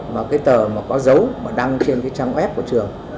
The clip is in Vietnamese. mà cái tờ mà có dấu mà đăng trên cái trang web của trường